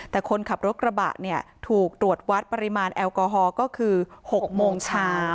แต่คนขับรถกระบะเนี่ยถูกตรวจวัดปริมาณแอลกอฮอล์ก็คือ๖โมงเช้า